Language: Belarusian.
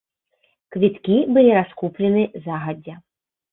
Квіткі былі раскуплены загадзя.